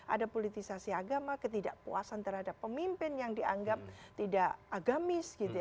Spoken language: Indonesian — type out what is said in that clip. ada politisasi agama ketidakpuasan terhadap pemimpin yang dianggap tidak agamis gitu ya